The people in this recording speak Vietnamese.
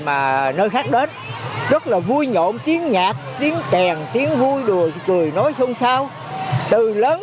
mà nơi khác đến rất là vui nhộn tiếng nhạc tiếng trèn tiếng vui đùa cười nói xôn xao từ lớn